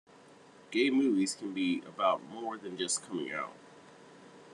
Gay movies can be about more than just coming out.